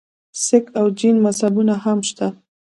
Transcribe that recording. سک او جین مذهبونه هم شته.